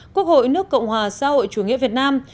quốc hội nước cộng hòa xã hội chủ nghĩa việt nam